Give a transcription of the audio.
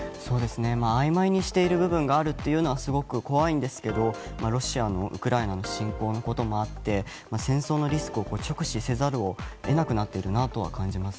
あいまいにしている部分があるというのはすごく怖いんですけどロシアもウクライナ侵攻のことがあって戦争のリスクを直視せざるを得なくなっていると感じます。